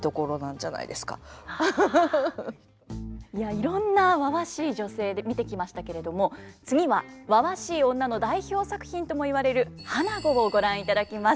いろんなわわしい女性で見てきましたけれども次はわわしい女の代表作品とも言われる「花子」をご覧いただきます。